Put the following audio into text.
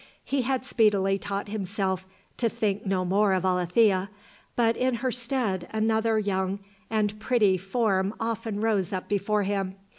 He had speedily taught himself to think no more of Alethea, but in her stead another young and pretty form often rose up before him.